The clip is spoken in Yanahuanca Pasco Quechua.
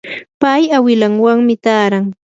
pay awilanwanmi taaran.